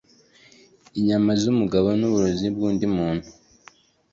Inyama zumugabo nuburozi bwundi muntu.